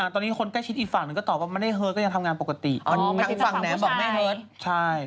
ตอนนี้คนใกล้ชิดอีกฝั่งหนึ่งก็ตอบว่า